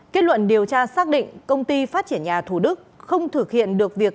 kết luận điều tra xác định công ty phát triển nhà thủ đức không thực hiện được việc